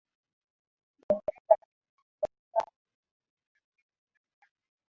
uingereza hasa kwa sababu utakumbuka ile safari ya